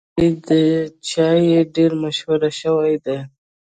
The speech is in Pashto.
په کلي کې دا چای ډېر مشهور شوی دی.